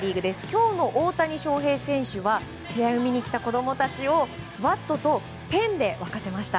今日の大谷翔平選手は試合を見にきた子供たちをバットとペンで沸かせました。